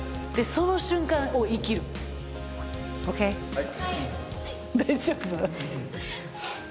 はい。